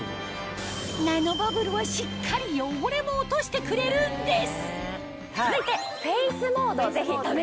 ナノバブルはしっかり汚れも落としてくれるんです続いて。